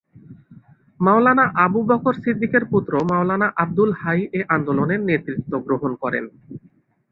মওলানা আবুবকর সিদ্দিকের পুত্র মওলানা আব্দুল হাই এ আন্দোলনের নেতৃত্ব গ্রহণ করেন।